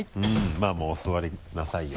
まぁもうお座りなさいよ。